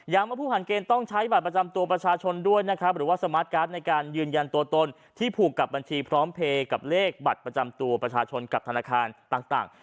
ว่าผู้ผ่านเกณฑ์ต้องใช้บัตรประจำตัวประชาชนด้วยนะครับหรือว่าสมาร์ทการ์ดในการยืนยันตัวตนที่ผูกกับบัญชีพร้อมเพลย์กับเลขบัตรประจำตัวประชาชนกับธนาคารต่าง